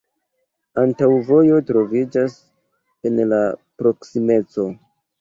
Aŭtovojo troviĝas en la proksimeco.